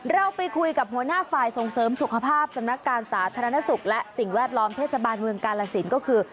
เราไปคุยกับหัวหน้าฝ่ายส่งเสริมสุขภาพสำนักการสาธารณสุขและสิ่งแวดล้อมเทศบาลเมืองกาลสินก็คือ